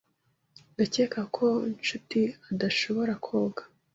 Ndakeka ko Nshuti adashobora koga.